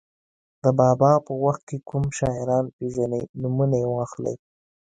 د بابا په وخت کې کوم شاعران پېژنئ نومونه یې واخلئ.